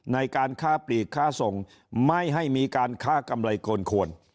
ในการค้าปลีกค้าส่งไม่ให้มีการค้ากำไรเกินควร